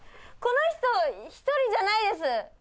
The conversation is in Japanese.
この人１人じゃないです。